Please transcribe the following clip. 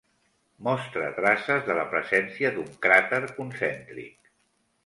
Mostra traces de la presència d'un cràter concèntric.